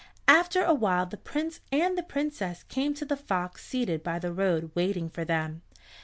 After awhile the Prince and Princess came to the fox seated by the road waiting for them.